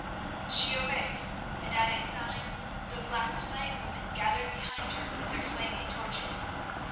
She obeyed, and at a sign the black slave women gathered behind her with their flaming torches.